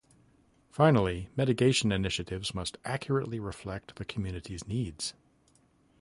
Finally, mitigation initiatives must accurately reflect the community's needs.